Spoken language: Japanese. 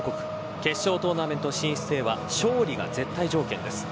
決勝トーナメント進出へは勝利が絶対条件です。